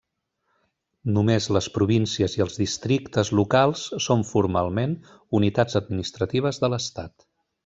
Només les províncies i els districtes locals són formalment unitats administratives de l'estat.